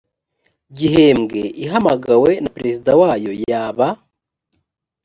gihembwe ihamagawe na perezida wayo yaba